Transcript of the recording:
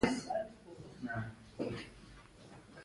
په دیني علومو باندې پوره تسلط نه لري.